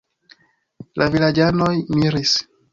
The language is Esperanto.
La vilaĝanoj miris.